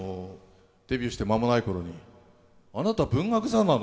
デビューして間もない頃に「あなた文学座なの？」